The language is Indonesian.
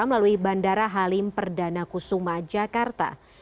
melalui bandara halim perdana kusuma jakarta